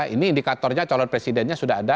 ini indikatornya calon presidennya sudah ada